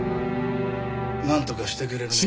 なんとかしてくれるね？